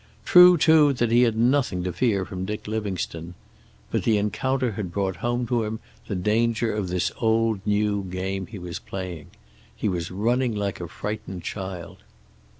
True, too, that he had nothing to fear from Dick Livingstone. But the encounter had brought home to him the danger of this old new game he was playing. He was running like a frightened child.